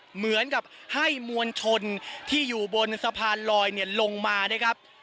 เหมือนกับให้มวลชนที่อยู่บนสะพานลอยลงมานะครับ